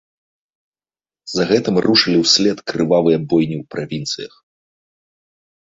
За гэтым рушылі ўслед крывавыя бойні ў правінцыях.